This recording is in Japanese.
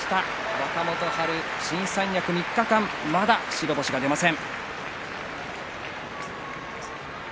若元春、新三役３日間まだ白星が出ません。